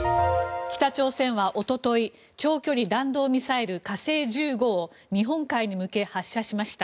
北朝鮮はおととい長距離弾道ミサイル、火星１５を日本海に向け発射しました。